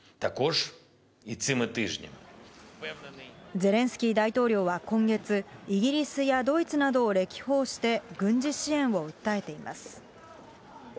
ゼレンスキー大統領は今月、イギリスやドイツなどを歴訪して、軍事支援を訴えています。